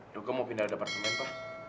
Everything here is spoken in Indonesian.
yoka mau pindah ke departemen apa